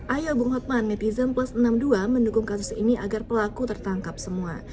ayo bung hotman netizen plus enam puluh dua mendukung kasus ini agar pelaku tertangkap semua